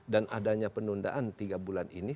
dan adanya penundaan tiga bulan ini